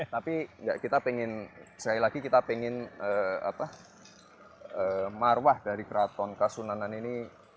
tapi kita pengen sekali lagi kita pengen marwah dari keraton kasunanan ini